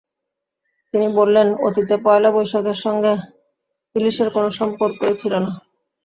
তিনি বললেন, অতীতে পয়লা বৈশাখের সঙ্গে ইলিশের কোনো সম্পর্কই ছিল না।